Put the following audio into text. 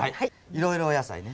いろいろお野菜ね。